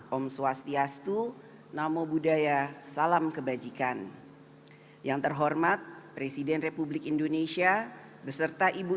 om swastiastu namo buddhaya salam kebajikan yang terhormat presiden republik indonesia beserta ibu